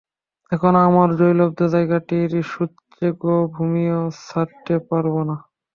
এখন আমার জয়লব্ধ জায়গাটির সূচ্যগ্রভূমিও ছাড়তে পারব না।